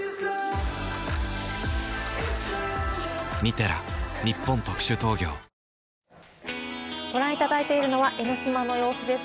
トーンアップ出たご覧いただいているのは、江の島の様子です。